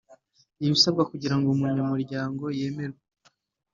Ibisabwa kugira ngo umunyamuryango yemerwa